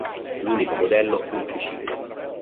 L'unico modello fu il triciclo.